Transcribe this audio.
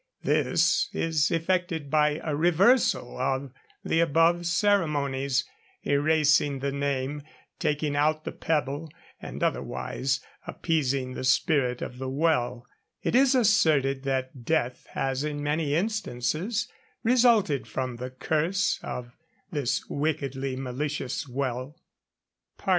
This is effected by a reversal of the above ceremonies erasing the name, taking out the pebble, and otherwise appeasing the spirit of the well. It is asserted that death has in many instances resulted from the curse of this wickedly malicious well. FOOTNOTE: 'Camb. Pop. Ant.,' 247.